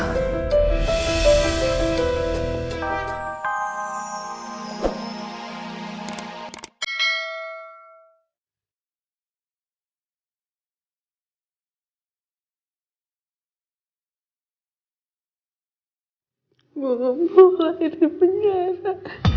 mulai mulai di penjara